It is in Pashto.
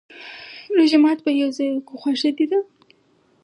روژه ماته به يو ځای وکرو، خوښه دې ده؟